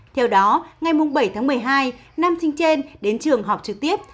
theo đó ngày bảy tháng một mươi hai nam sinh trên đến trường học trực tiếp